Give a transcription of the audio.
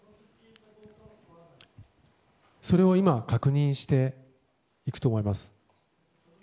それを今確認していくと思います。